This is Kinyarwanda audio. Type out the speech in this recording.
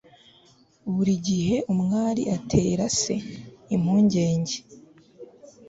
buri gihe umwari atera se impungenge